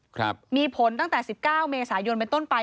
ครับมีผลตั้งแต่สิบเก้าเมษายนเป็นต้นไป